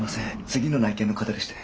次の内見の方でして。